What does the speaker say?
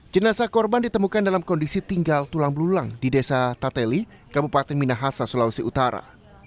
jenazah korban ditemukan dalam kondisi tinggal tulang belulang di desa tateli kabupaten minahasa sulawesi utara